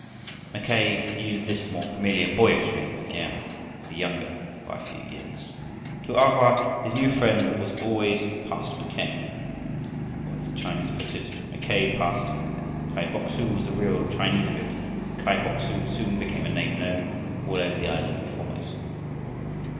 Mackay used this more familiar boyish name, for Giam was the younger by a few years. To A Hoa his new friend was always Pastor Mackay, or as the Chinese put it, Mackay Pastor, Kai Bok su was the real Chinese of it, and Kai Bok su soon became a name known all over the island of Formosa.